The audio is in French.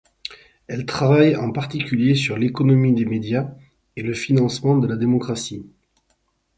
Elle travaille en particulier sur l'économie des médias et le financement de la démocratie.